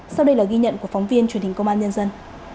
sau đây là ghi nhận của phóng viên truyền hình công an nhân dân